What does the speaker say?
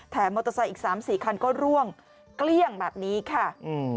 มอเตอร์ไซค์อีกสามสี่คันก็ร่วงเกลี้ยงแบบนี้ค่ะอืม